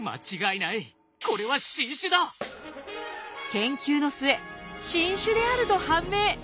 研究の末新種であると判明。